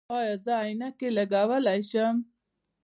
ایا زه عینکې لګولی شم؟